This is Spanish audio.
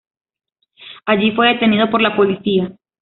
Allí fue detenido por la policía.